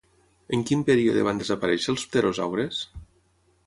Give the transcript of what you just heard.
En quin període van desaparèixer els pterosaures?